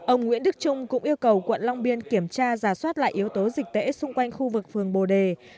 ông nguyễn đức trung cũng yêu cầu quận long biên kiểm tra giả soát lại yếu tố dịch tễ xung quanh khu vực phường bồ đề